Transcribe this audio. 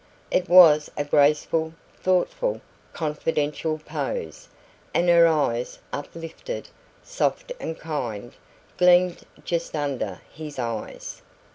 It was a graceful, thoughtful, confidential pose, and her eyes, uplifted, soft and kind, gleamed just under his eyes.